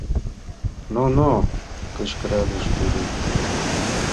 — Но-но! — кычкыралеш тудо.